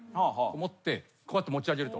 持ってこうやって持ち上げる。